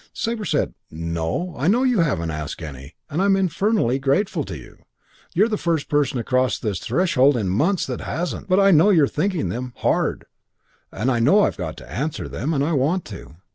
"Sabre said, 'No, I know you haven't asked any, and I'm infernally grateful to you. You're the first person across this threshold in months that hasn't. But I know you're thinking them hard. And I know I've got to answer them. And I want to.